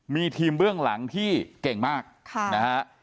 มีทีมเบื้องหลังที่เก่งมากนะฮะ